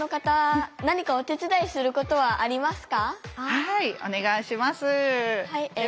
はいお願いします。